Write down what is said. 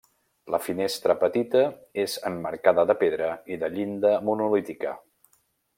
La finestra petita és emmarcada de pedra i de llinda monolítica.